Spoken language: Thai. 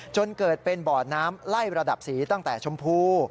จนเกิดเป็นบ่อน้ำไล่ระดับสีตั้งแต่ชมพู